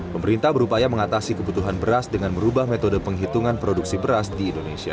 pemerintah berupaya mengatasi kebutuhan beras dengan merubah metode penghitungan produksi beras di indonesia